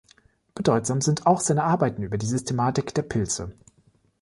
Bedeutsam sind auch seine Arbeiten über die Systematik der Pilze.